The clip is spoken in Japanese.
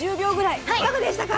いかがでしたか？